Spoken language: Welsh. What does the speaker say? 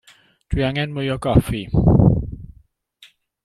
Dw i angen mwy o goffi.